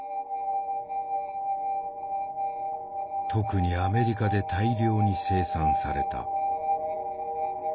特にアメリカで大量に生産された。